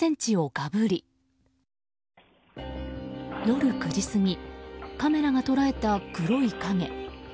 夜９時過ぎカメラが捉えた黒い影。